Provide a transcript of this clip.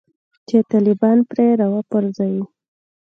چې طالبان پرې راوپرځوي